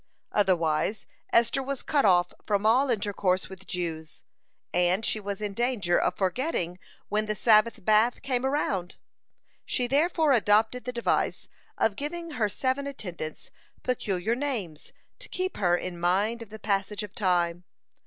Otherwise Esther was cut off from all intercourse with Jews, and she was in danger of forgetting when the Sabbath bath came around. She therefore adopted the device of giving her seven attendants peculiar names, to keep her in mind of the passage of time.